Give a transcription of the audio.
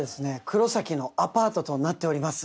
黒崎のアパートとなっております